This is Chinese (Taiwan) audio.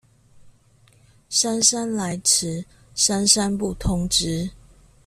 姍姍來遲，姍姍不通知